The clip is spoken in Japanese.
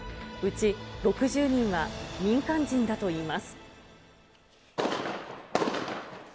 うち６０人は民間人だといいます。